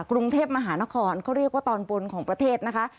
กรุงเทพมหานครเขาเรียกว่าตอนบนของประเทศนะคะ